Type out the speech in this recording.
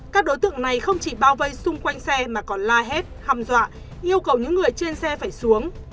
các đối tượng này không chỉ bao vây xung quanh xe mà còn la hét hăm dọa yêu cầu những người trên xe phải xuống